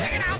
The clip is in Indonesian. ya dia jatuh